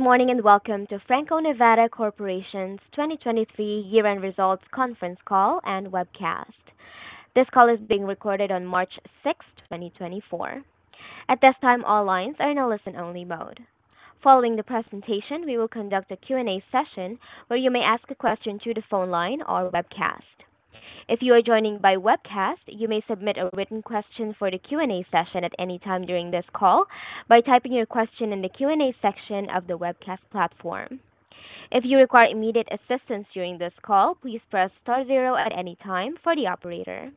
Good morning, and welcome to Franco-Nevada Corporation's 2023 Year-end Results Conference Call and Webcast. This call is being recorded on 6 March, 2024. At this time, all lines are in a listen-only mode. Following the presentation, we will conduct a Q&A session, where you may ask a question through the phone line or webcast. If you are joining by webcast, you may submit a written question for the Q&A session at any time during this call by typing your question in the Q&A section of the webcast platform. If you require immediate assistance during this call, please press star zero at any time for the operator.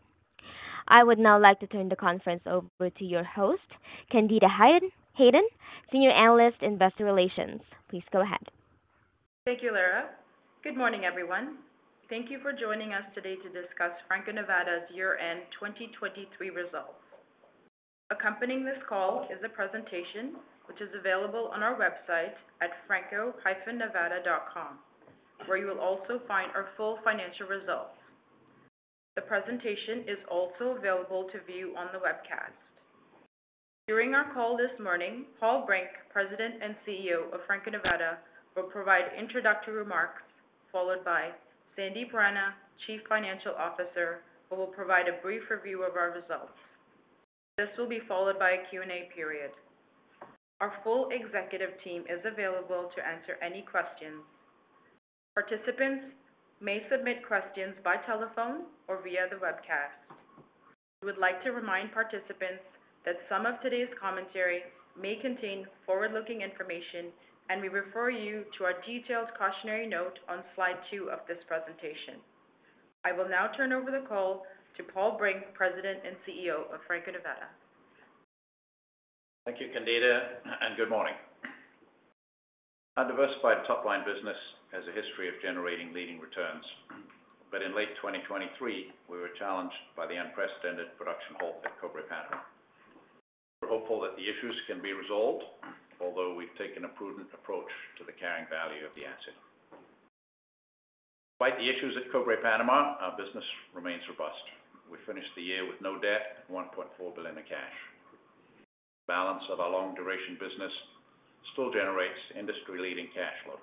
I would now like to turn the conference over to your host, Candida Hayden, Senior Analyst in Investor Relations. Please go ahead. Thank you, Laura. Good morning, everyone. Thank you for joining us today to discuss Franco-Nevada's year-end 2023 results. Accompanying this call is a presentation which is available on our website at franco-nevada.com, where you will also find our full financial results. The presentation is also available to view on the webcast. During our call this morning, Paul Brink, President and CEO of Franco-Nevada, will provide introductory remarks, followed by Sandip Rana, Chief Financial Officer, who will provide a brief review of our results. This will be followed by a Q&A period. Our full executive team is available to answer any questions. Participants may submit questions by telephone or via the webcast. We would like to remind participants that some of today's commentary may contain forward-looking information, and we refer you to our detailed cautionary note on slide two of this presentation. I will now turn over the call to Paul Brink, President and CEO of Franco-Nevada. Thank you, Candida, and good morning. Our diversified top-line business has a history of generating leading returns, but in late 2023, we were challenged by the unprecedented production halt at Cobre Panama. We're hopeful that the issues can be resolved, although we've taken a prudent approach to the carrying value of the asset. Despite the issues at Cobre Panama, our business remains robust. We finished the year with no debt and $1.4 billion in cash. Balance of our long-duration business still generates industry-leading cash flow.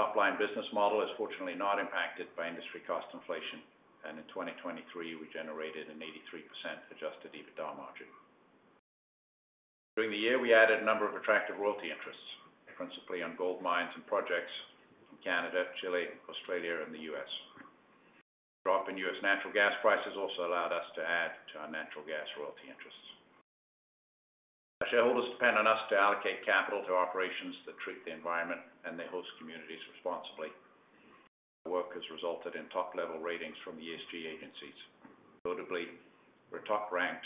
Top-line business model is fortunately not impacted by industry cost inflation, and in 2023, we generated an 83% adjusted EBITDA margin. During the year, we added a number of attractive royalty interests, principally on gold mines and projects in Canada, Chile, Australia, and the US. Drop in U.S. natural gas prices also allowed us to add to our natural gas royalty interests. Shareholders depend on us to allocate capital to operations that treat the environment and their host communities responsibly. Work has resulted in top-level ratings from the ESG agencies. Notably, we're top-ranked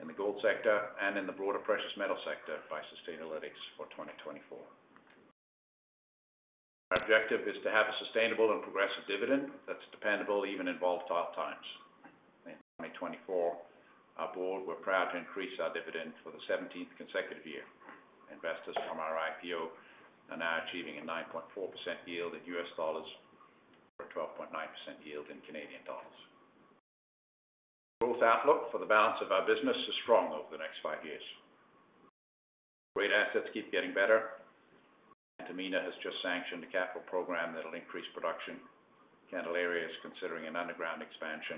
in the gold sector and in the broader precious metal sector by Sustainalytics for 2024. Our objective is to have a sustainable and progressive dividend that's dependable even in volatile times. In 2024, our board were proud to increase our dividend for the seventeenth consecutive year. Investors from our IPO are now achieving a 9.4 yield in U.S. dollars or a 12.9% yield in Canadian dollars. Growth outlook for the balance of our business is strong over the next five years. Great assets keep getting better. Antamina has just sanctioned a capital program that will increase production. Candelaria is considering an underground expansion,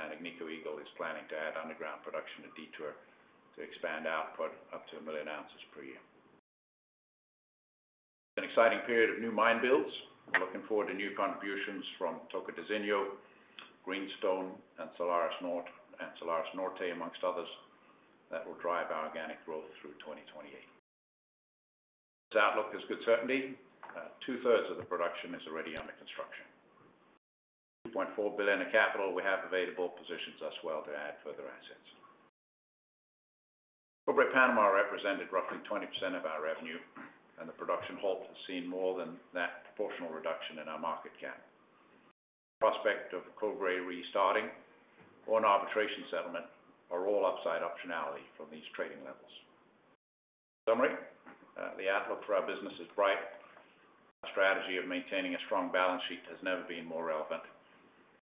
and Agnico Eagle is planning to add underground production to Detour to expand output up to 1 million ounces per year. An exciting period of new mine builds. We're looking forward to new contributions from Tocantinzinho, Greenstone, and Salares Norte, amongst others, that will drive our organic growth through 2028. This outlook is good certainty. Two-thirds of the production is already under construction. $2.4 billion in capital we have available positions us well to add further assets. Cobre Panama represented roughly 20% of our revenue, and the production halt has seen more than that proportional reduction in our market cap. Prospect of Cobre restarting or an arbitration settlement are all upside optionality from these trading levels. In summary, the outlook for our business is bright. Our strategy of maintaining a strong balance sheet has never been more relevant,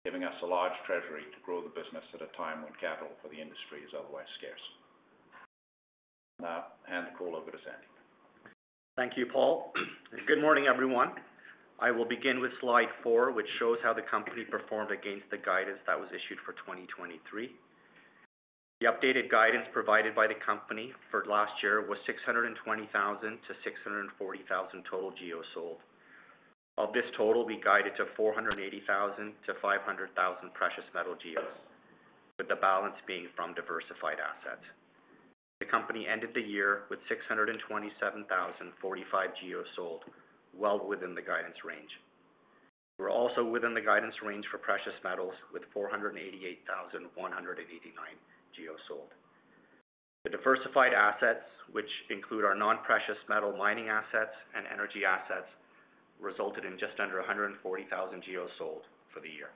giving us a large treasury to grow the business at a time when capital for the industry is otherwise scarce. Now, I hand the call over to Sandy. Thank you, Paul. Good morning, everyone. I will begin with slide 4, which shows how the company performed against the guidance that was issued for 2023. The updated guidance provided by the company for last year was 620,000-640,000 total GEOs sold. Of this total, we guided to 480,000-500,000 precious metal GEOs, with the balance being from diversified assets. The company ended the year with 627,045 GEOs sold, well within the guidance range. We're also within the guidance range for precious metals, with 488,189 GEOs sold. The diversified assets, which include our non-precious metal mining assets and energy assets, resulted in just under 140,000 GEOs sold for the year.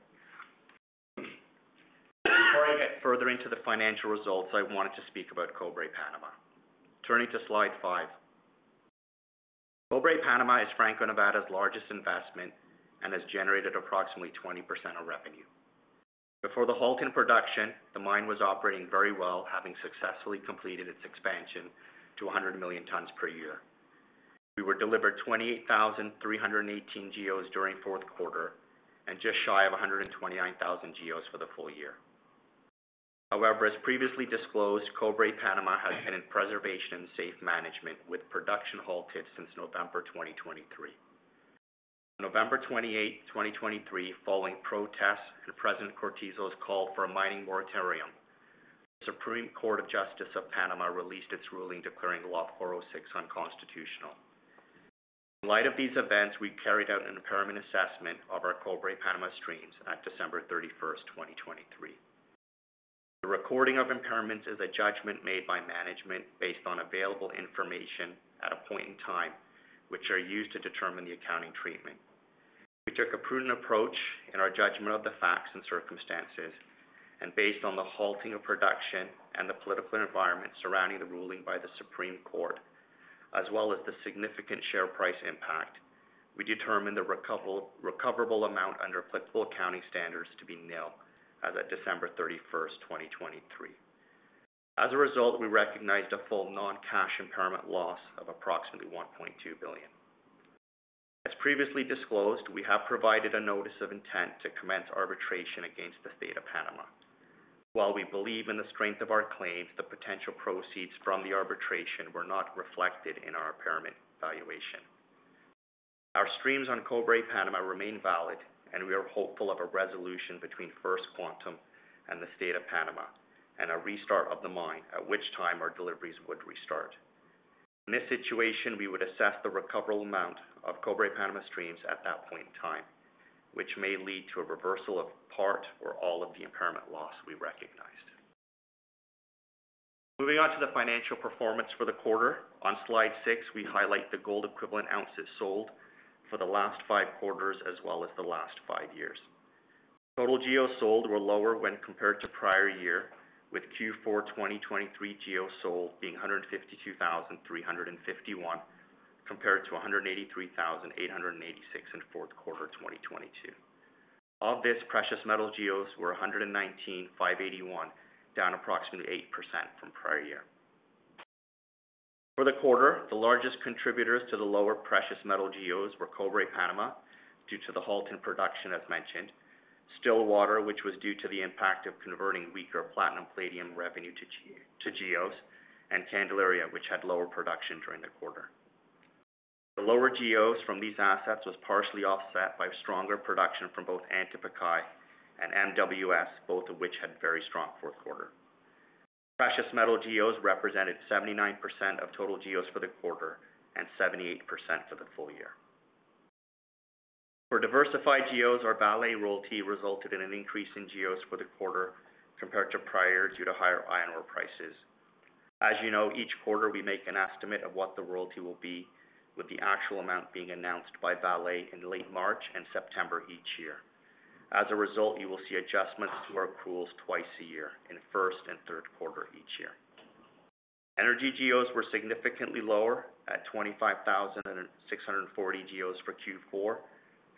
Before I get further into the financial results, I wanted to speak about Cobre Panama. Turning to slide five. Cobre Panama is Franco-Nevada's largest investment and has generated approximately 20% of revenue. Before the halt in production, the mine was operating very well, having successfully completed its expansion to 100 million tons per year. We were delivered 28,318 GEOs during Q4, and just shy of 129,000 GEOs for the full year. However, as previously disclosed, Cobre Panama has been in preservation and safe management, with production halted since November 2023. On November 28, 2023, following protests and President Cortizo's call for a mining moratorium, the Supreme Court of Justice of Panama released its ruling, declaring Law 406 unconstitutional. In light of these events, we carried out an impairment assessment of our Cobre Panama streams at December 31, 2023. The recording of impairments is a judgment made by management based on available information at a point in time, which are used to determine the accounting treatment. We took a prudent approach in our judgment of the facts and circumstances, and based on the halting of production and the political environment surrounding the ruling by the Supreme Court, as well as the significant share price impact, we determined the recoverable amount under applicable accounting standards to be nil as at December 31, 2023. As a result, we recognized a full non-cash impairment loss of approximately $1.2 billion. As previously disclosed, we have provided a notice of intent to commence arbitration against the State of Panama. While we believe in the strength of our claims, the potential proceeds from the arbitration were not reflected in our impairment valuation. Our streams on Cobre Panama remain valid, and we are hopeful of a resolution between First Quantum and the State of Panama, and a restart of the mine, at which time our deliveries would restart. In this situation, we would assess the recoverable amount of Cobre Panama streams at that point in time, which may lead to a reversal of part or all of the impairment loss we recognized. Moving on to the financial performance for the quarter. On slide six, we highlight the gold equivalent ounces sold for the last five quarters, as well as the last five years. Total GEOs sold were lower when compared to prior year, with Q4 2023 GEOs sold being 152,351, compared to 183,886 in Q4 2022. Of this, precious metal GEOs were 119,581, down approximately 8% from prior year. For the quarter, the largest contributors to the lower precious metal GEOs were Cobre Panama, due to the halt in production as mentioned, Stillwater, which was due to the impact of converting weaker platinum palladium revenue to GEOs, and Candelaria, which had lower production during the quarter. The lower GEOs from these assets was partially offset by stronger production from both Antamina and MWS, both of which had very strong Q4. Precious metal geos represented 79% of total geos for the quarter, and 78% for the full year. For diversified geos, our Vale royalty resulted in an increase in geos for the quarter compared to prior, due to higher iron ore prices. As you know, each quarter we make an estimate of what the royalty will be, with the actual amount being announced by Vale in late March and September each year. As a result, you will see adjustments to our accruals twice a year, in Q1 and Q3 each year. Energy geos were significantly lower at 25,600 geos for Q4,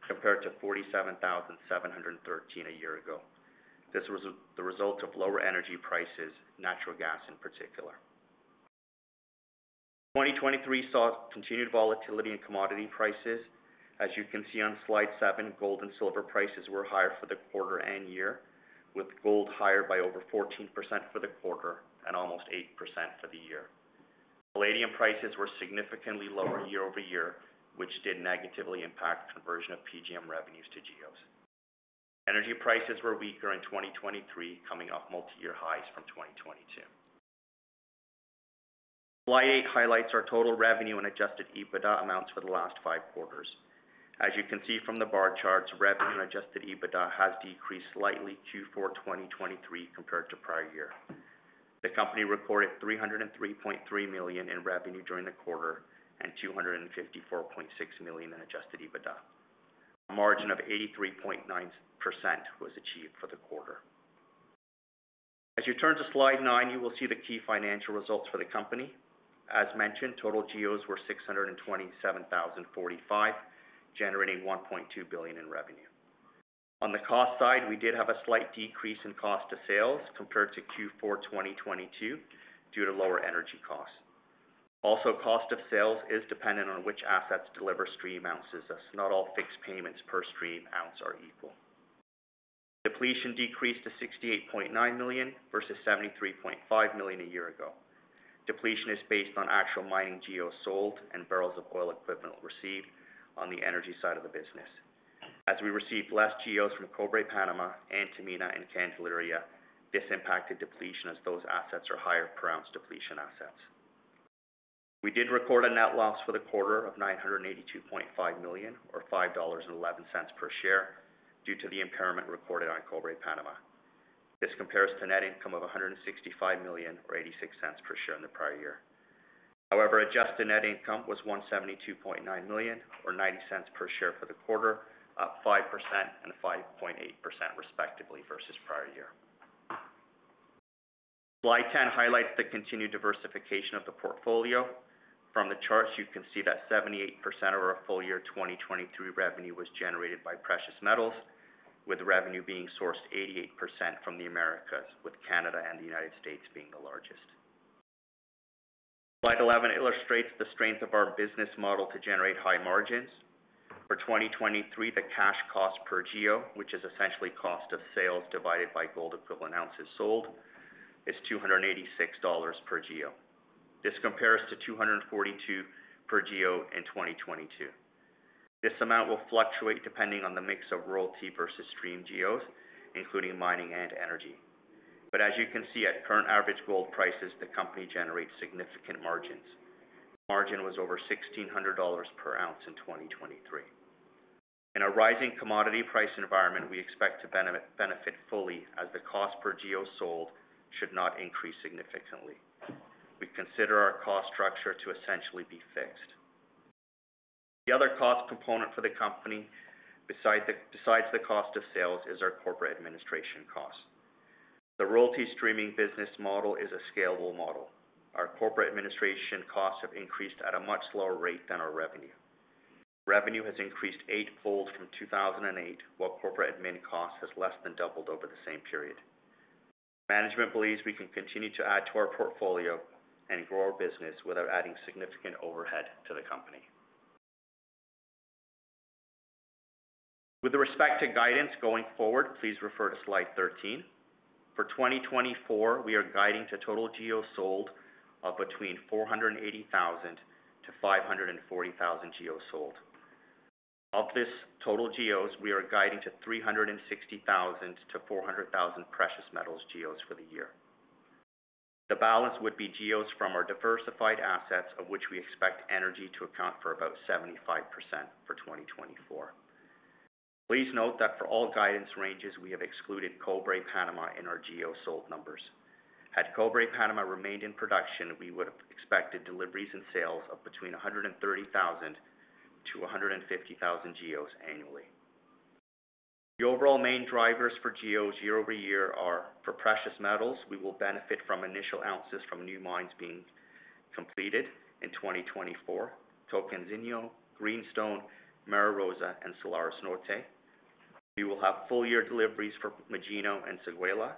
compared to 47,713 a year ago. This was the result of lower energy prices, natural gas in particular. 2023 saw continued volatility in commodity prices. As you can see on slide seven, gold and silver prices were higher for the quarter and year, with gold higher by over 14% for the quarter and almost 8% for the year. Palladium prices were significantly lower year-over-year, which did negatively impact conversion of PGM revenues to GEOs. Energy prices were weaker in 2023, coming off multi-year highs from 2022. Slide eight highlights our total revenue and adjusted EBITDA amounts for the last five quarters. As you can see from the bar charts, revenue and adjusted EBITDA has decreased slightly Q4 2023 compared to prior year. The company reported $303.3 million in revenue during the quarter, and $254.6 million in adjusted EBITDA. A margin of 83.9% was achieved for the quarter. As you turn to slide nine, you will see the key financial results for the company. As mentioned, total GEOs were 627,045, generating $1.2 billion in revenue. On the cost side, we did have a slight decrease in cost of sales compared to Q4 2022, due to lower energy costs. Also, cost of sales is dependent on which assets deliver stream ounces, as not all fixed payments per stream ounces are equal. Depletion decreased to $68.9 million versus $73.5 million a year ago. Depletion is based on actual mining GEOs sold and barrels of oil equivalent received on the energy side of the business. As we received less GEOs from Cobre Panama, Antamina, and Candelaria, this impacted depletion, as those assets are higher per ounce depletion assets. We did record a net loss for the quarter of $982.5 million or $5.11 per share, due to the impairment recorded on Cobre Panama. This compares to net income of $165 million or $0.86 per share in the prior year. However, adjusted net income was $172.9 million or $0.90 per share for the quarter, up 5% and 5.8% respectively versus prior year.... Slide 10 highlights the continued diversification of the portfolio. From the charts, you can see that 78% of our full year, 2023 revenue was generated by precious metals, with revenue being sourced 88% from the Americas, with Canada and the United States being the largest. Slide 11 illustrates the strength of our business model to generate high margins. For 2023, the cash cost per GEO, which is essentially cost of sales divided by gold equivalent ounces sold, is $286 per GEO. This compares to $242 per GEO in 2022. This amount will fluctuate depending on the mix of royalty versus stream GEOs, including mining and energy. But as you can see, at current average gold prices, the company generates significant margins. Margin was over $1,600 per ounce in 2023. In a rising commodity price environment, we expect to benefit fully as the cost per GEO sold should not increase significantly. We consider our cost structure to essentially be fixed. The other cost component for the company, besides the cost of sales, is our corporate administration cost. The royalty streaming business model is a scalable model. Our corporate administration costs have increased at a much lower rate than our revenue. Revenue has increased eightfold from 2008, while corporate admin cost has less than doubled over the same period. Management believes we can continue to add to our portfolio and grow our business without adding significant overhead to the company. With respect to guidance going forward, please refer to slide 13. For 2024, we are guiding to total GEOs sold of between 480,000 to 540,000 GEOs sold. Of this total GEOs, we are guiding to 360,000 to 400,000 precious metals GEOs for the year. The balance would be GEOs from our diversified assets, of which we expect energy to account for about 75% for 2024. Please note that for all guidance ranges, we have excluded Cobre Panama in our GEOs sold numbers. Had Cobre Panama remained in production, we would have expected deliveries and sales of between 130,000-150,000 GEOs annually. The overall main drivers for GEOs year-over-year are: for precious metals, we will benefit from initial ounces from new mines being completed in 2024, Tocantinzinho, Greenstone, Mara Rosa, and Salares Norte. We will have full year deliveries for Magino and Séguéla,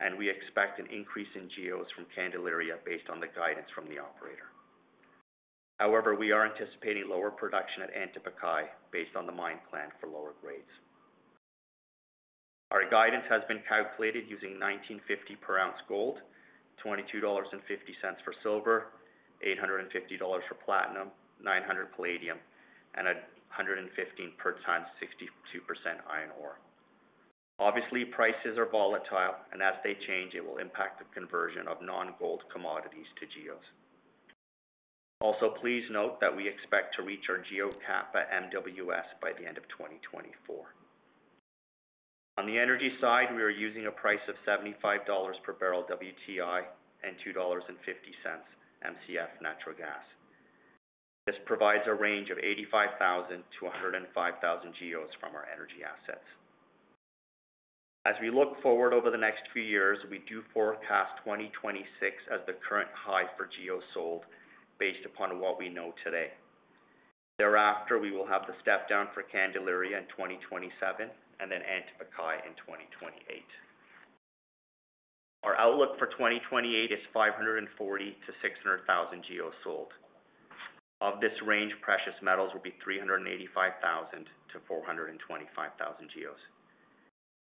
and we expect an increase in GEOs from Candelaria based on the guidance from the operator. However, we are anticipating lower production at Antapaccay, based on the mine plan for lower grades. Our guidance has been calculated using $1,950 per ounce gold, $22.50 for silver, $850 for platinum, $900 palladium, and $115 per ton, 62% iron ore. Obviously, prices are volatile, and as they change, it will impact the conversion of non-gold commodities to GEOs. Also, please note that we expect to reach our GEO cap at MWS by the end of 2024. On the energy side, we are using a price of $75 per barrel WTI and $2.50 Mcf natural gas. This provides a range of 85,000-105,000 GEOs from our energy assets. As we look forward over the next few years, we do forecast 2026 as the current high for GEO sold, based upon what we know today. Thereafter, we will have the step down for Candelaria in 2027 and then Antapaccay in 2028. Our outlook for 2028 is 540,000-600,000 GEOs sold. Of this range, precious metals will be 385,000-425,000 GEOs.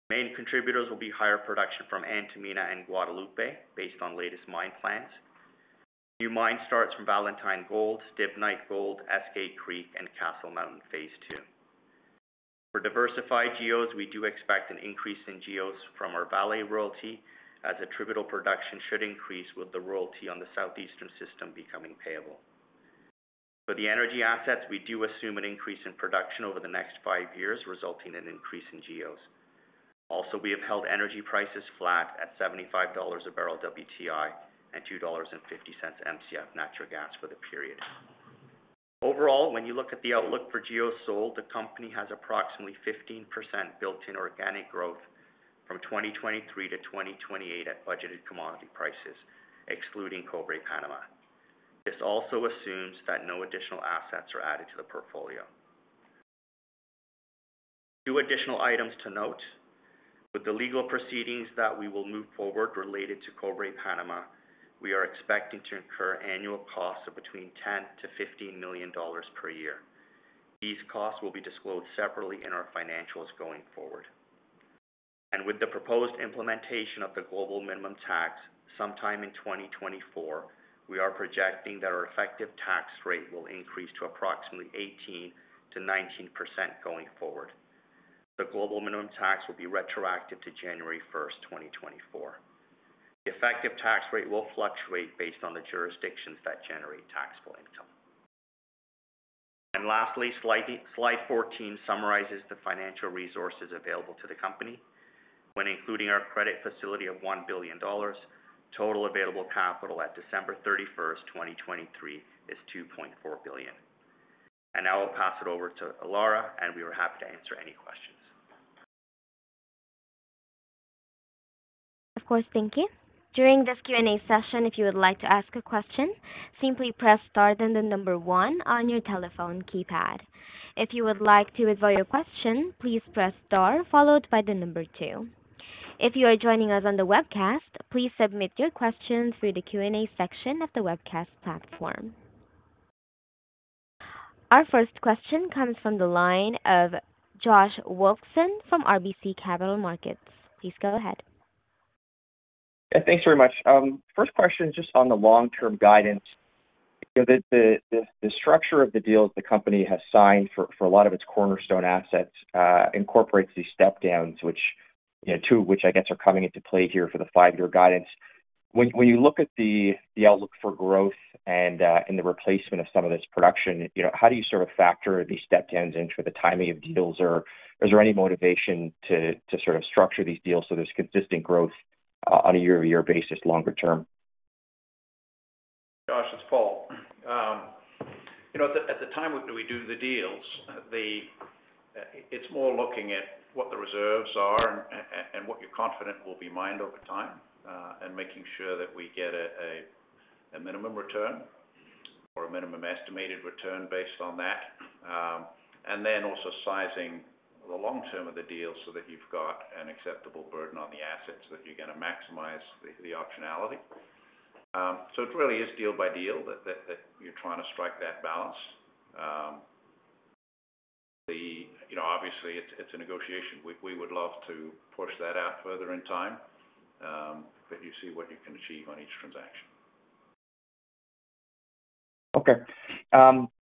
Main contributors will be higher production from Antamina and Guadalupe, based on latest mine plans. New mine starts from Valentine Gold, Stibnite Gold, Eskay Creek, and Castle Mountain, Phase Two. For diversified GEOs, we do expect an increase in GEOs from our Vale royalty, as attributable production should increase with the royalty on the southeastern system becoming payable. For the energy assets, we do assume an increase in production over the next five years, resulting in increase in GEOs. Also, we have held energy prices flat at $75 a barrel WTI and $2.50 Mcf natural gas for the period. Overall, when you look at the outlook for GEOs sold, the company has approximately 15% built in organic growth from 2023 to 2028 at budgeted commodity prices, excluding Cobre Panama. This also assumes that no additional assets are added to the portfolio. Two additional items to note. With the legal proceedings that we will move forward related to Cobre Panama, we are expecting to incur annual costs of between $10 million-$15 million per year. These costs will be disclosed separately in our financials going forward. And with the proposed implementation of the Global Minimum Tax sometime in 2024, we are projecting that our effective tax rate will increase to approximately 18%-19% going forward. The Global Minimum Tax will be retroactive to January 1, 2024. The effective tax rate will fluctuate based on the jurisdictions that generate taxable income. Lastly, slide 14 summarizes the financial resources available to the company when including our credit facility of $1 billion. Total available capital at December 31, 2023, is $2.4 billion. Now I'll pass it over to Laura, and we are happy to answer any questions.... Of course. Thank you. During this Q&A session, if you would like to ask a question, simply press star, then the number one on your telephone keypad. If you would like to withdraw your question, please press star followed by the number two. If you are joining us on the webcast, please submit your questions through the Q&A section of the webcast platform. Our first question comes from the line of Josh Wolfson from RBC Capital Markets. Please go ahead. Yeah, thanks very much. First question, just on the long-term guidance. You know, the structure of the deals the company has signed for a lot of its cornerstone assets incorporates these step downs, which, you know, two of which I guess are coming into play here for the five-year guidance. When you look at the outlook for growth and the replacement of some of this production, you know, how do you sort of factor these step downs into the timing of deals? Or is there any motivation to sort of structure these deals so there's consistent growth on a year-over-year basis, longer term? Josh, it's Paul. You know, at the time we do the deals, it's more looking at what the reserves are and what you're confident will be mined over time, and making sure that we get a minimum return or a minimum estimated return based on that. And then also sizing the long term of the deal so that you've got an acceptable burden on the assets, that you're gonna maximize the optionality. So it really is deal by deal, that you're trying to strike that balance. You know, obviously, it's a negotiation. We would love to push that out further in time, but you see what you can achieve on each transaction. Okay.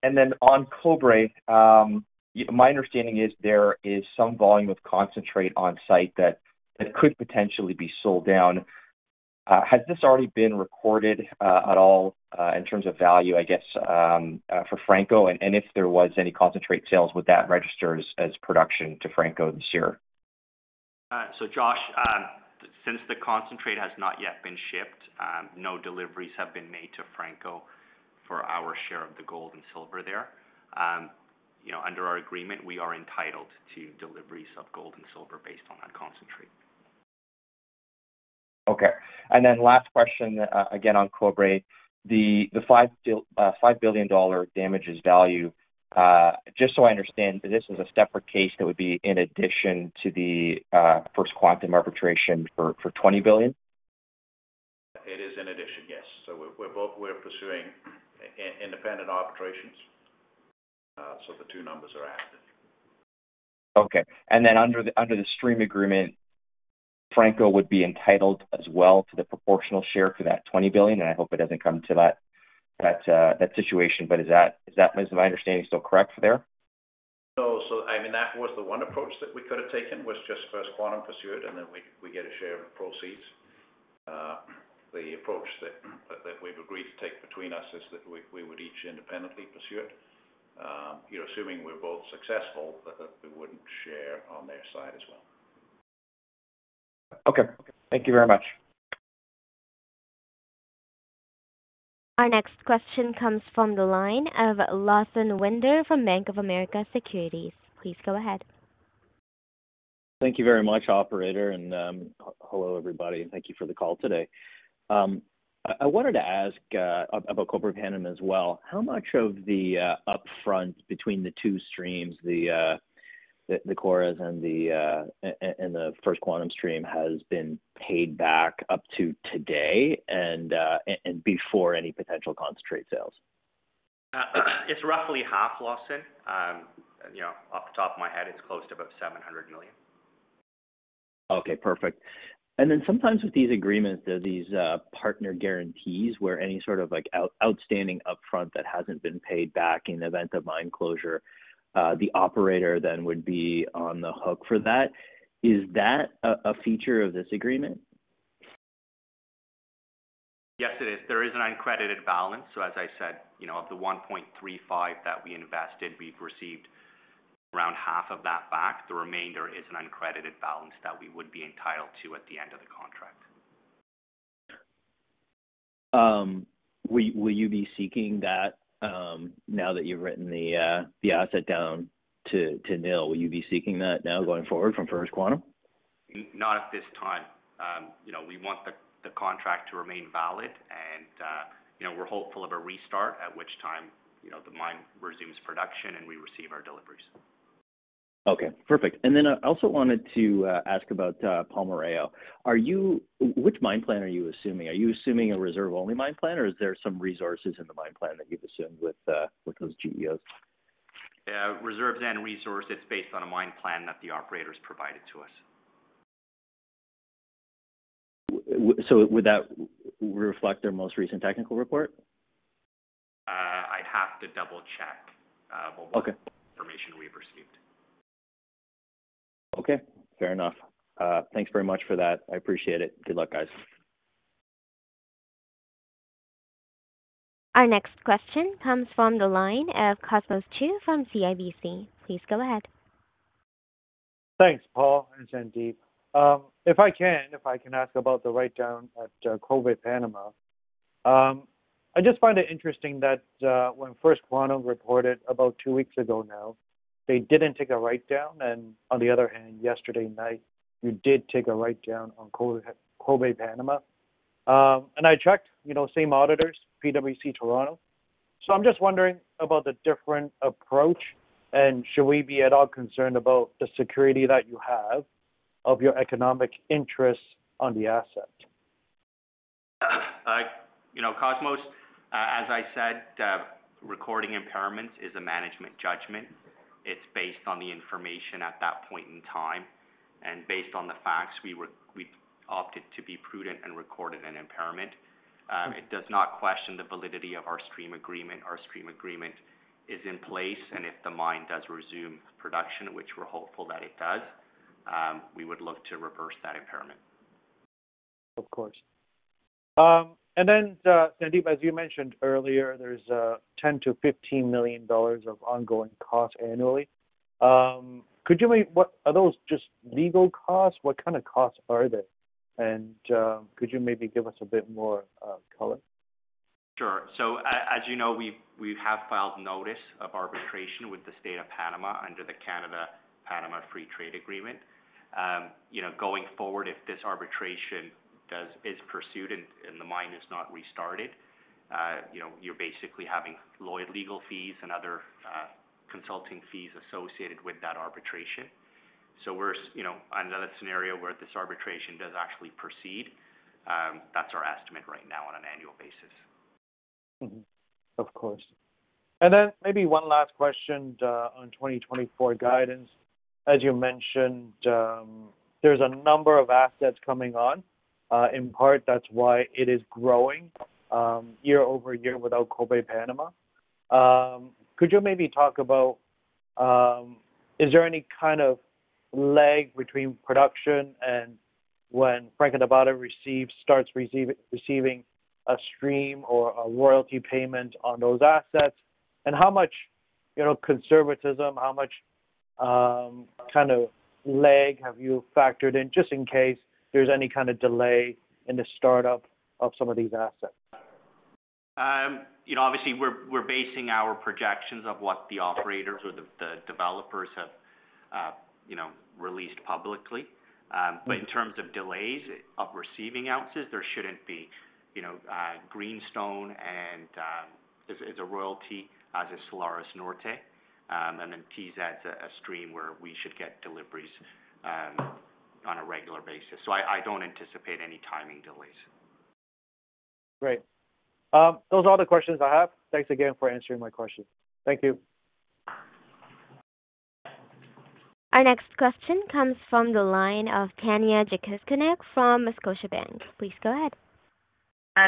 And then on Cobre, my understanding is there is some volume of concentrate on site that could potentially be sold down. Has this already been recorded at all in terms of value, I guess, for Franco? And if there was any concentrate sales, would that register as production to Franco this year? So Josh, since the concentrate has not yet been shipped, no deliveries have been made to Franco for our share of the gold and silver there. You know, under our agreement, we are entitled to deliveries of gold and silver based on that concentrate. Okay. And then last question, again, on Cobre. The $5 billion damages value, just so I understand, this is a separate case that would be in addition to the First Quantum arbitration for $20 billion? It is in addition, yes. So we're both pursuing independent arbitrations. So the two numbers are active. Okay. And then under the stream agreement, Franco would be entitled as well to the proportional share for that $20 billion, and I hope it doesn't come to that situation. But is that my understanding still correct there? So, I mean, that was the one approach that we could have taken, was just First Quantum pursued, and then we get a share of the proceeds. The approach that we've agreed to take between us is that we would each independently pursue it. You know, assuming we're both successful, that we wouldn't share on their side as well. Okay, thank you very much. Our next question comes from the line of Lawson Winder from Bank of America Securities. Please go ahead. Thank you very much, operator. And hello, everybody, and thank you for the call today. I wanted to ask about Cobre Panama as well. How much of the upfront between the two streams, the KORES and the First Quantum stream, has been paid back up to today and before any potential concentrate sales? It's roughly half, Lawson. You know, off the top of my head, it's close to about $700 million. Okay, perfect. And then sometimes with these agreements, there's these partner guarantees, where any sort of like outstanding upfront that hasn't been paid back in the event of mine closure, the operator then would be on the hook for that. Is that a feature of this agreement? Yes, it is. There is an uncredited balance. So as I said, you know, of the $1.35 that we invested, we've received around half of that back. The remainder is an uncredited balance that we would be entitled to at the end of the contract. Will you be seeking that now that you've written the asset down to nil? Will you be seeking that now going forward from First Quantum? Not at this time. You know, we want the, the contract to remain valid and, you know, we're hopeful of a restart, at which time, you know, the mine resumes production, and we receive our deliveries. Okay, perfect. I also wanted to ask about Palmarejo. Which mine plan are you assuming? Are you assuming a reserve-only mine plan, or is there some resources in the mine plan that you've assumed with those GEOs? Reserves and resources based on a mine plan that the operators provided to us. So would that reflect their most recent technical report? I'd have to double-check. Okay. information we've received. Okay, fair enough. Thanks very much for that. I appreciate it. Good luck, guys. Our next question comes from the line of Cosmos Chiu from CIBC. Please go ahead. Thanks, Paul and Sandip. If I can, if I can ask about the write-down at Cobre Panama.... I just find it interesting that, when First Quantum reported about two weeks ago now, they didn't take a write-down. And on the other hand, yesterday night, you did take a write-down on Cobre, Cobre Panama. And I checked, you know, same auditors, PwC Toronto. So I'm just wondering about the different approach, and should we be at all concerned about the security that you have of your economic interest on the asset? You know, Cosmos, as I said, recording impairments is a management judgment. It's based on the information at that point in time, and based on the facts, we opted to be prudent and recorded an impairment. It does not question the validity of our stream agreement. Our stream agreement is in place, and if the mine does resume production, which we're hopeful that it does, we would look to reverse that impairment. Of course. Then, Sandip, as you mentioned earlier, there's $10 million-$15 million of ongoing costs annually. Could you maybe—What—Are those just legal costs? What kind of costs are they? And, could you maybe give us a bit more color? Sure. So as you know, we've, we have filed notice of arbitration with the State of Panama under the Canada-Panama Free Trade Agreement. You know, going forward, if this arbitration is pursued and the mine is not restarted, you know, you're basically having legal fees and other consulting fees associated with that arbitration. So we're, you know, under that scenario where this arbitration does actually proceed, that's our estimate right now on an annual basis. Mm-hmm. Of course. And then maybe one last question on 2024 guidance. As you mentioned, there's a number of assets coming on. In part, that's why it is growing year over year without Cobre Panama. Could you maybe talk about, is there any kind of lag between production and when Franco-Nevada receives, starts receiving a stream or a royalty payment on those assets? And how much, you know, conservatism, how much kind of lag have you factored in, just in case there's any kind of delay in the startup of some of these assets? You know, obviously, we're, we're basing our projections of what the operators or the, the developers have, you know, released publicly. But in terms of delays of receiving ounces, there shouldn't be, you know, Greenstone and is a royalty, as is Salares Norte. And then TZ is a, a stream where we should get deliveries, on a regular basis, so I, I don't anticipate any timing delays. Great. Those are all the questions I have. Thanks again for answering my questions. Thank you. Our next question comes from the line of Tanya Jakusconek from Scotiabank. Please go ahead.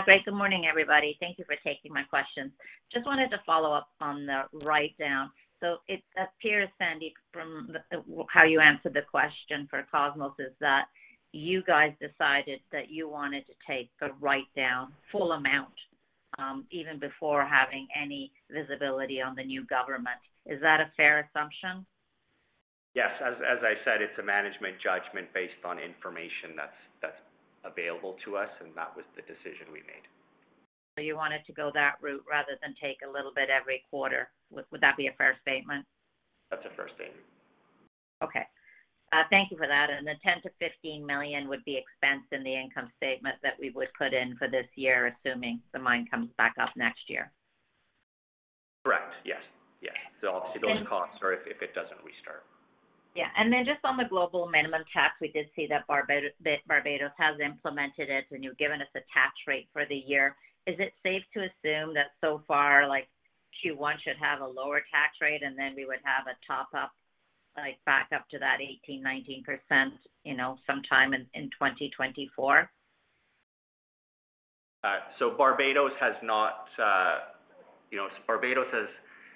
Great. Good morning, everybody. Thank you for taking my questions. Just wanted to follow up on the write-down. So it appears, Sandip, from the how you answered the question for Cosmos, is that you guys decided that you wanted to take the write-down full amount, even before having any visibility on the new government. Is that a fair assumption? Yes. As I said, it's a management judgment based on information that's available to us, and that was the decision we made. So you wanted to go that route rather than take a little bit every quarter. Would that be a fair statement? That's a fair statement. Okay. Thank you for that. The $10 million-$15 million would be expensed in the income statement that we would put in for this year, assuming the mine comes back up next year? Correct. Yes. Yes. Thank- Those costs are if it doesn't restart. Yeah. And then just on the Global Minimum Tax, we did see that Barbados has implemented it, and you've given us a tax rate for the year. Is it safe to assume that so far, like, Q1 should have a lower tax rate, and then we would have a top up, like, back up to that 18%-19%, you know, sometime in 2024? So Barbados has not, you know, Barbados is,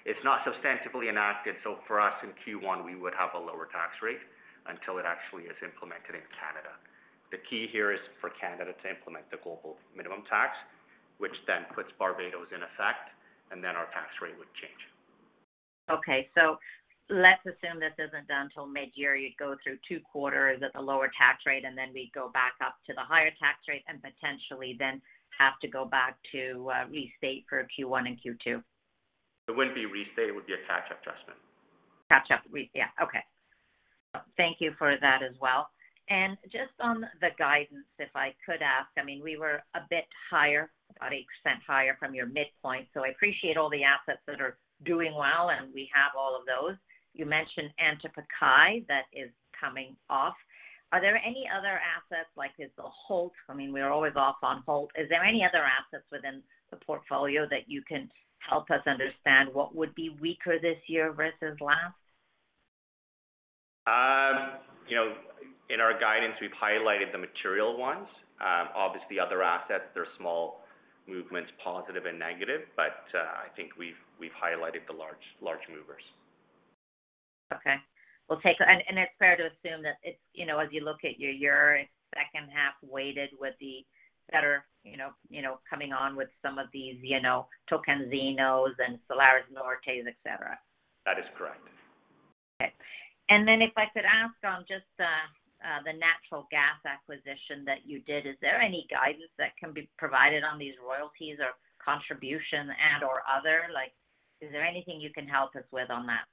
it's not substantively enacted. So for us, in Q1, we would have a lower tax rate until it actually is implemented in Canada. The key here is for Canada to implement the Global Minimum Tax, which then puts Barbados in effect, and then our tax rate would change. Okay, so let's assume this isn't done till mid-year. You'd go through two quarters at the lower tax rate, and then we'd go back up to the higher tax rate and potentially then have to go back to restate for Q1 and Q2. It wouldn't be restate. It would be a catch-up adjustment. Catch up, re- yeah. Okay. Thank you for that as well. And just on the guidance, if I could ask, I mean, we were a bit higher, about 1% higher from your midpoint, so I appreciate all the assets that are doing well, and we have all of those. You mentioned Antapaccay that is coming off. Are there any other assets, like, is a halt? I mean, we're always off on hold. Is there any other assets within the portfolio that you can help us understand what would be weaker this year versus last? You know, in our guidance, we've highlighted the material ones. Obviously, other assets, they're small movements, positive and negative, but I think we've highlighted the large, large movers. Okay. We'll take... And it's fair to assume that it's, you know, as you look at your year and second half, weighted with the better, you know, you know, coming on with some of these, you know, Tocantinzinhos and Salares Nortes, et cetera. That is correct.... And then if I could ask on just the natural gas acquisition that you did, is there any guidance that can be provided on these royalties or contribution and, or other? Like, is there anything you can help us with on that?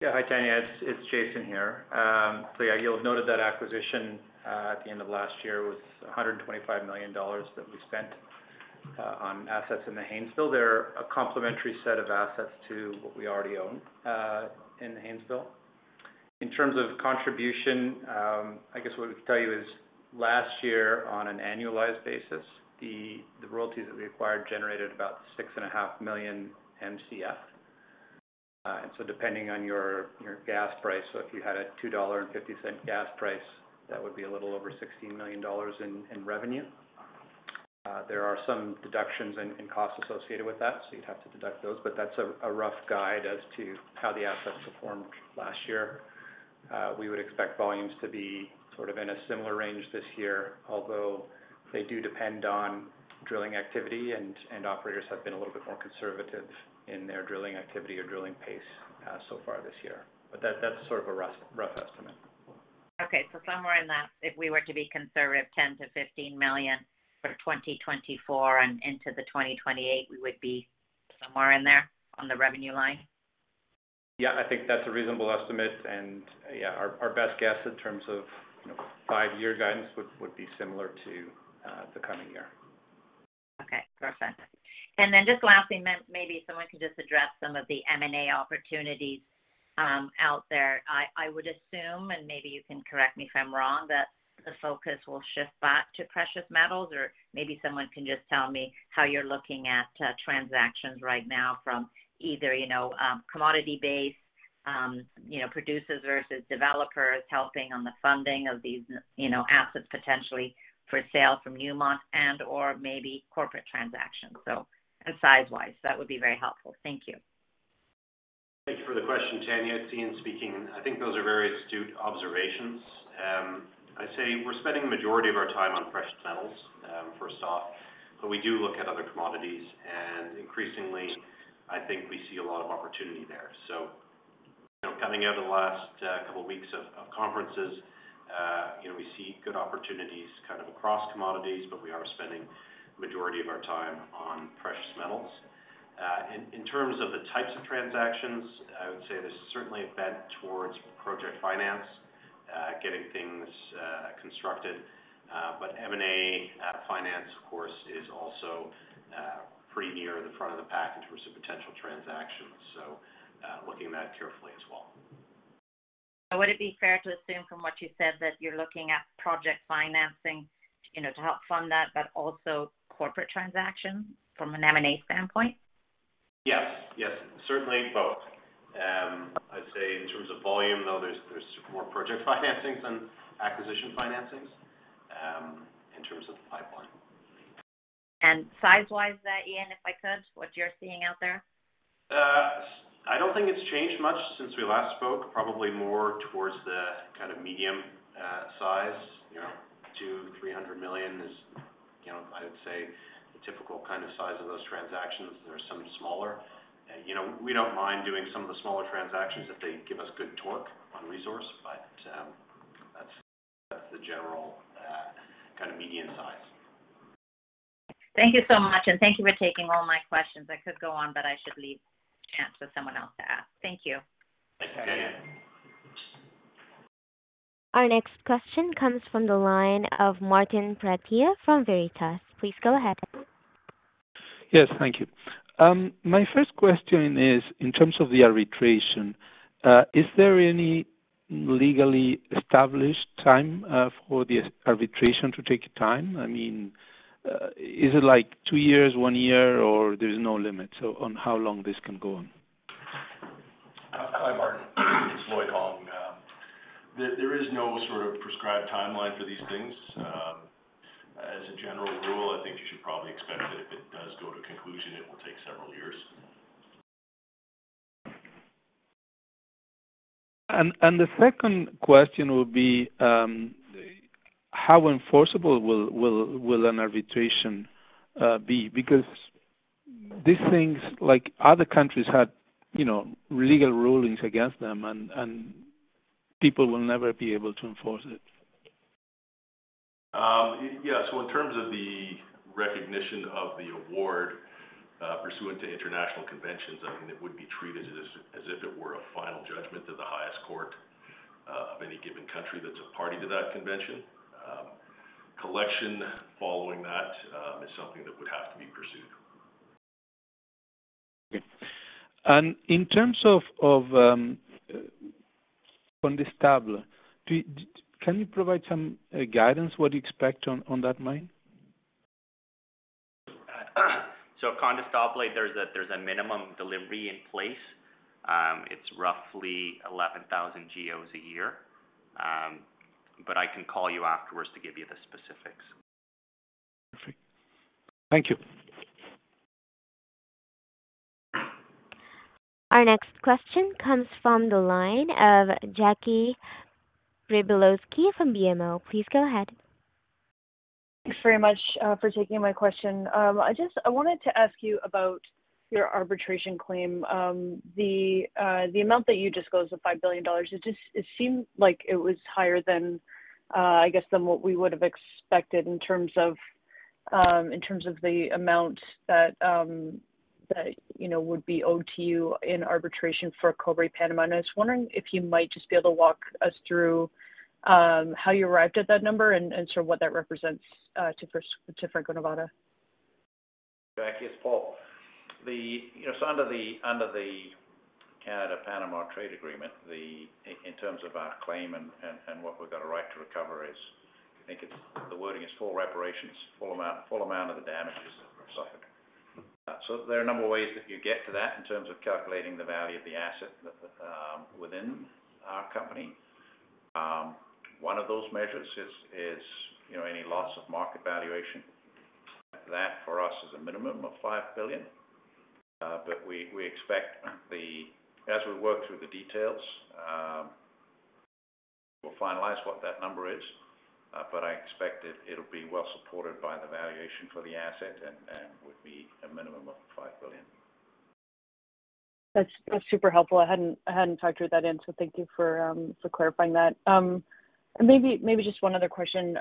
Yeah. Hi, Tanya. It's Jason here. So yeah, you'll have noted that acquisition at the end of last year was $125 million that we spent on assets in the Haynesville. They're a complementary set of assets to what we already own in Haynesville. In terms of contribution, I guess what we could tell you is last year, on an annualized basis, the royalties that we acquired generated about 6.5 million Mcf. And so depending on your gas price, so if you had a $2.50 gas price, that would be a little over $16 million in revenue. There are some deductions and costs associated with that, so you'd have to deduct those, but that's a rough guide as to how the assets performed last year. We would expect volumes to be sort of in a similar range this year, although they do depend on drilling activity, and operators have been a little bit more conservative in their drilling activity or drilling pace, so far this year. But that, that's sort of a rough, rough estimate. Okay, so somewhere in that, if we were to be conservative, $10 million-$15 million for 2024 and into the 2028, we would be somewhere in there on the revenue line? Yeah, I think that's a reasonable estimate. And, yeah, our best guess in terms of, you know, five-year guidance would be similar to the coming year. Okay, perfect. And then just lastly, maybe someone can just address some of the M&A opportunities out there. I would assume, and maybe you can correct me if I'm wrong, that the focus will shift back to precious metals, or maybe someone can just tell me how you're looking at transactions right now from either, you know, commodity base, you know, producers versus developers, helping on the funding of these, you know, assets potentially for sale from Newmont and, or maybe corporate transactions. So and size-wise, that would be very helpful. Thank you. Thank you for the question, Tanya. It's Euan speaking. I think those are very astute observations. I'd say we're spending the majority of our time on precious metals first off, but we do look at other commodities, and increasingly I think we see a lot of opportunity there. So, you know, coming out of the last couple weeks of conferences, you know, we see good opportunities kind of across commodities, but we are spending majority of our time on precious metals. In terms of the types of transactions, I would say there's certainly a bent towards project finance getting things constructed. But M&A finance, of course, is also pretty near the front of the pack in terms of potential transactions, so looking at that carefully as well. Would it be fair to assume from what you said, that you're looking at project financing, you know, to help fund that, but also corporate transactions from an M&A standpoint? Yes. Yes, certainly both. I'd say in terms of volume, though, there's more project financings than acquisition financings, in terms of the pipeline. Size-wise, Euan, if I could, what you're seeing out there? I don't think it's changed much since we last spoke. Probably more towards the kind of medium size, you know, $200 million-$300 million is, you know, I would say, the typical kind of size of those transactions. There are some smaller. We don't mind doing some of the smaller transactions if they give us good torque on resource, but that's the general kind of medium size. Thank you so much, and thank you for taking all my questions. I could go on, but I should leave a chance for someone else to ask. Thank you. Thanks, Tanya. Our next question comes from the line of Martin Pradier from Veritas. Please go ahead. Yes, thank you. My first question is, in terms of the arbitration, is there any legally established time for the arbitration to take time? I mean, is it like two years, one year, or there's no limit, so on how long this can go on? Hi, Martin. It's Lloyd Hong. There is no sort of prescribed timeline for these things. As a general rule, I think you should probably expect that if it does go to conclusion, it will take several years. The second question would be, how enforceable will an arbitration be? Because these things, like other countries, had, you know, legal rulings against them, and people will never be able to enforce it. Yeah, so in terms of the recognition of the award, pursuant to international conventions, I mean, it would be treated as if it were a final judgment of the highest court of any given country that's a party to that convention. Collection following that is something that would have to be pursued. In terms of Condestable, can you provide some guidance, what you expect on that mine? So Condestable, there's a minimum delivery in place. It's roughly 11,000 GEOs a year. But I can call you afterwards to give you the specifics. Perfect. Thank you. Our next question comes from the line of Jackie Przybylowski from BMO. Please go ahead.... Thanks very much for taking my question. I wanted to ask you about your arbitration claim. The amount that you disclosed, the $5 billion, it just seemed like it was higher than I guess than what we would have expected in terms of in terms of the amount that that you know would be owed to you in arbitration for Cobre Panama. I was wondering if you might just be able to walk us through how you arrived at that number and sort of what that represents to Franco-Nevada. Jackie, it's Paul. You know, so under the Canada-Panama trade agreement, in terms of our claim and what we've got a right to recover is, I think it's the wording is full reparations, full amount, full amount of the damages suffered. So there are a number of ways that you get to that in terms of calculating the value of the asset that within our company. One of those measures is, you know, any loss of market valuation. That, for us, is a minimum of $5 billion. But we expect the... As we work through the details, we'll finalize what that number is, but I expect it, it'll be well supported by the valuation for the asset and would be a minimum of $5 billion. That's, that's super helpful. I hadn't, I hadn't factored that in, so thank you for for clarifying that. And maybe, maybe just one other question.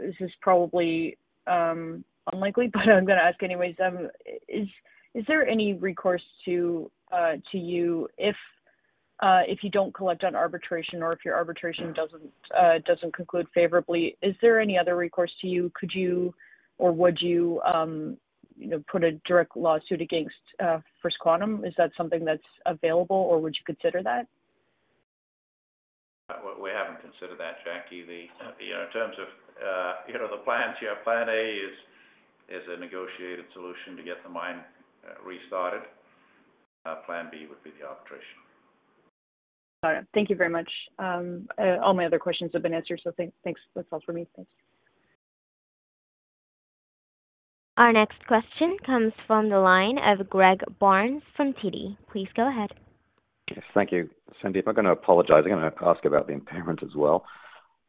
This is probably unlikely, but I'm gonna ask anyways. Is, is there any recourse to to you if if you don't collect on arbitration or if your arbitration doesn't doesn't conclude favorably? Is there any other recourse to you? Could you or would you, you know, put a direct lawsuit against First Quantum? Is that something that's available, or would you consider that? We haven't considered that, Jackie. You know, in terms of the plans, yeah, plan A is a negotiated solution to get the mine restarted. Plan B would be the arbitration. All right. Thank you very much. All my other questions have been answered, so thanks, thanks. That's all for me. Thanks. Our next question comes from the line of Greg Barnes from TD. Please go ahead. Yes, thank you, Candida. I'm gonna apologize. I'm gonna ask about the impairment as well.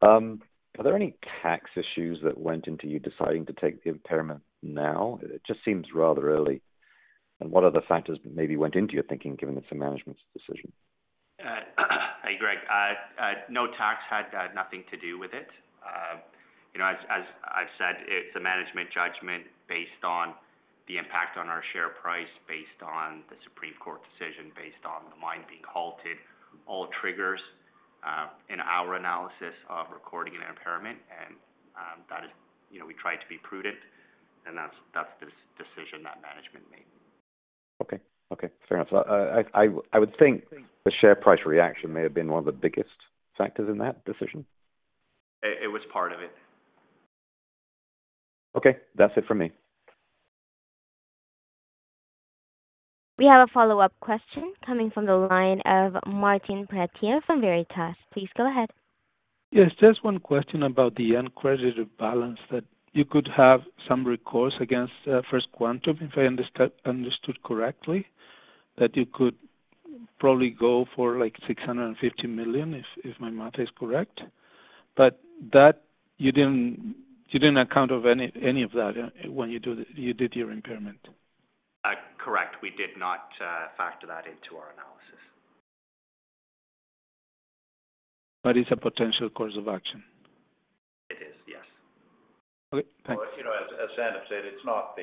Are there any tax issues that went into you deciding to take the impairment now? It just seems rather early. And what other factors maybe went into your thinking, given it's a management's decision? Hey, Greg. No, tax had nothing to do with it. You know, as I've said, it's a management judgment based on the impact on our share price, based on the Supreme Court decision, based on the mine being halted. All triggers in our analysis of recording an impairment and that is, you know, we try to be prudent, and that's this decision that management made. Okay. Okay, fair enough. So I would think the share price reaction may have been one of the biggest factors in that decision? It was part of it. Okay, that's it for me. We have a follow-up question coming from the line of Martin Pradier from Veritas. Please go ahead. Yes, just one question about the end credit balance, that you could have some recourse against First Quantum, if I understood correctly, that you could probably go for, like, $650 million, if my math is correct. But that, you didn't account for any of that when you did your impairment? Correct. We did not factor that into our analysis. But it's a potential course of action? It is, yes. Okay, thanks. Well, you know, as Euan said, it's not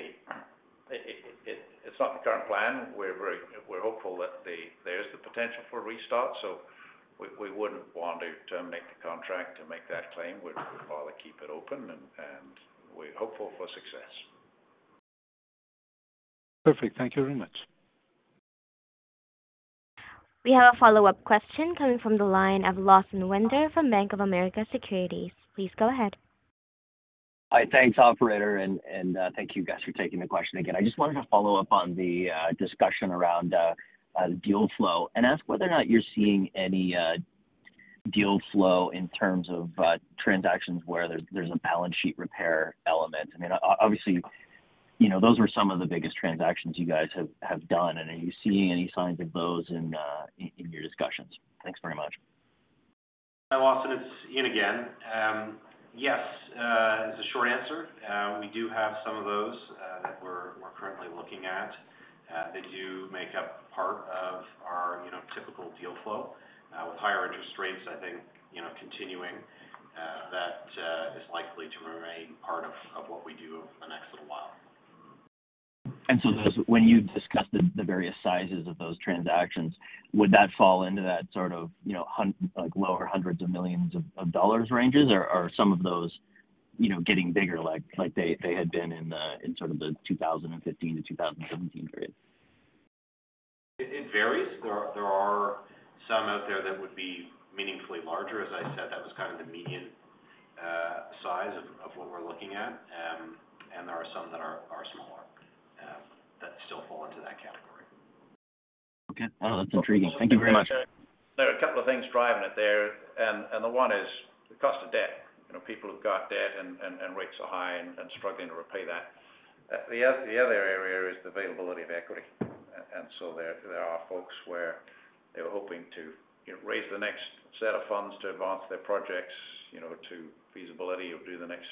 the current plan. We're very hopeful that there is the potential for a restart, so we wouldn't want to make the contract to make that claim. We'd rather keep it open, and we're hopeful for success. Perfect. Thank you very much. We have a follow-up question coming from the line of Lawson Winder from Bank of America Securities. Please go ahead. Hi. Thanks, operator, and thank you guys for taking the question again. I just wanted to follow up on the discussion around deal flow and ask whether or not you're seeing any deal flow in terms of transactions where there's a balance sheet repair element. I mean, obviously, you know, those were some of the biggest transactions you guys have done. And are you seeing any signs of those in your discussions? Thanks very much. Hi, Lawson, it's Euan again. Yes is the short answer. We do have some of those that we're currently looking at. They do make up part of our, you know, typical deal flow. With higher interest rates, I think, you know, continuing that is likely to remain part of what we do over the next little while. So those, when you discuss the various sizes of those transactions, would that fall into that sort of, you know, like lower hundreds of millions of dollars ranges, or some of those, you know, getting bigger, like they had been in sort of the 2015-2017 period? It, it varies. There are, there are some out there that would be meaningfully larger. As I said, that was kind of the median, size of, of what we're looking at. And there are some that are, are smaller, that still fall into that category. Okay. Well, that's intriguing. Thank you very much. There are a couple of things driving it there, and the one is the cost of debt. You know, people who've got debt and rates are high and struggling to repay that. The other area is the availability of equity. And so there are folks where they were hoping to, you know, raise the next set of funds to advance their projects, you know, to feasibility or do the next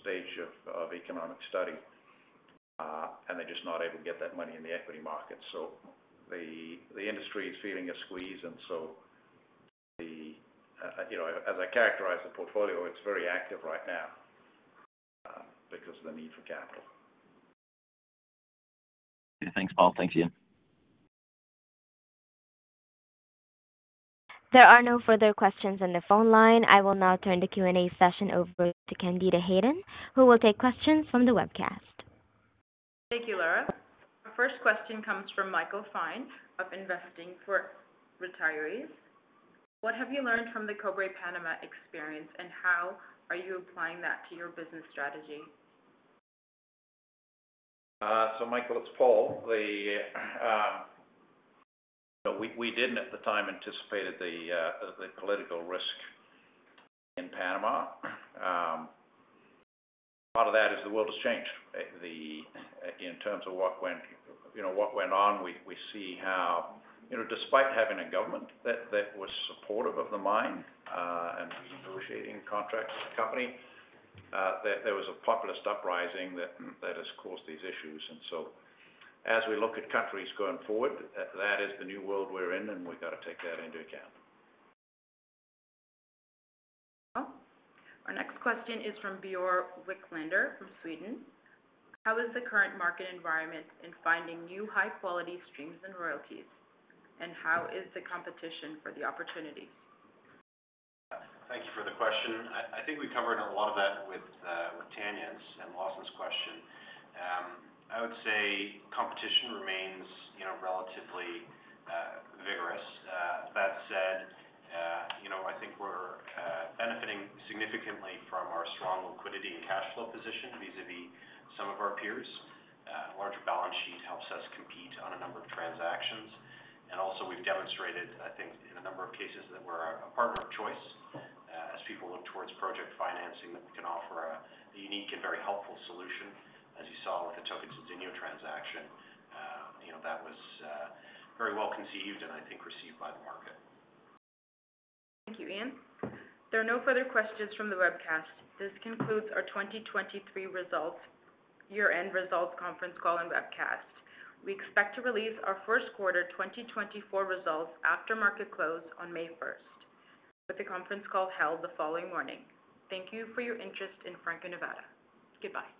stage of economic study, and they're just not able to get that money in the equity market. So the industry is feeling a squeeze, and so, you know, as I characterize the portfolio, it's very active right now because of the need for capital. Thanks, Paul. Thanks, Euan. There are no further questions on the phone line. I will now turn the Q&A session over to Candida Hayden, who will take questions from the webcast. Thank you, Laura. Our first question comes from Michael Fine of Investing for Retirees. What have you learned from the Cobre Panama experience, and how are you applying that to your business strategy? So Michael, it's Paul. We didn't at the time anticipated the political risk in Panama. Part of that is the world has changed. In terms of what went, you know, what went on, we see how, you know, despite having a government that was supportive of the mine and renegotiating contracts with the company, there was a populist uprising that has caused these issues. So as we look at countries going forward, that is the new world we're in, and we've got to take that into account. Our next question is from Björn Wiklander from Sweden. How is the current market environment in finding new high-quality streams and royalties, and how is the competition for the opportunities? Thank you for the question. I think we covered a lot of that with Tanya's and Lawson's question. I would say competition remains, you know, relatively vigorous. That said, you know, I think we're benefiting significantly from our strong liquidity and cash flow position vis-à-vis some of our peers. Larger balance sheet helps us compete on a number of transactions, and also we've demonstrated, I think, in a number of cases, that we're a partner of choice, as people look towards project financing, that we can offer a unique and very helpful solution, as you saw with the Tocantinzinho transaction. You know, that was very well conceived and I think received by the market. Thank you, Euan. There are no further questions from the webcast. This concludes our 2023 results, year-end results conference call and webcast. We expect to release our Q1 2024 results after market close on May 1, with the conference call held the following morning. Thank you for your interest in Franco-Nevada. Goodbye.